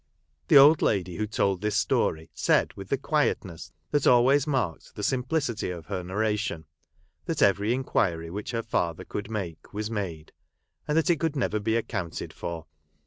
The old lady, who told this story, said with the quietness that always marked the simplicity of her narration, that every inquiry which her father could make was made, and that it could never be ac counted for.